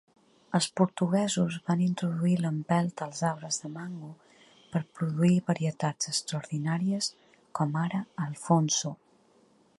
Els portuguesos van introduir l'empelt als arbres de mango per produir varietats extraordinàries com ara "Alphonso".